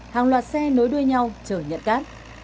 hàng loạt xe nối đuôi nhau chở nhận cát